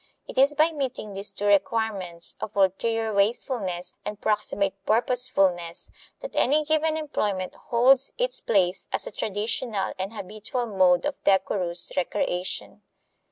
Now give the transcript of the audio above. It is by meeting these two requirements, of ulterior wastefulness and proximate purposefulness, that any given employment holds its place as a traditional and habitual mode of decorous recreation.